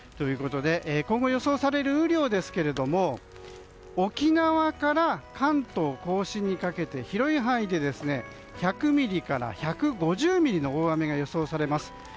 今後予想される雨量ですが沖縄から関東・甲信にかけて広い範囲で１００ミリから１５０ミリの大雨が予想されます。